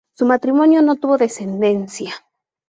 Su matrimonio no tuvo descendencia.